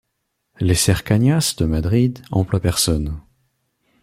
Les Cercanías de Madrid emploie personnes.